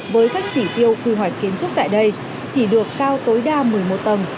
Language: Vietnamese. với các chỉ tiêu quy hoạch kiến trúc tại đây chỉ được cao tối đa một mươi một tầng